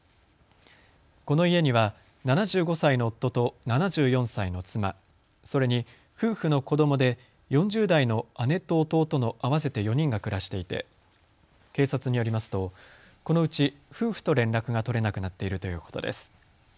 この家には７５歳の夫と７４歳の妻、それに夫婦の子どもで４０代の姉と弟の合わせて４人が暮らしていて警察によりますと、このうち夫婦と連絡が取れなくなっているということです。